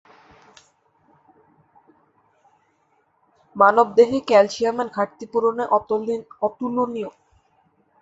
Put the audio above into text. মানব দেহে ক্যালসিয়ামের ঘাটতি পূরণে অতুলনীয়।